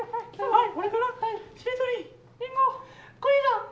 はい。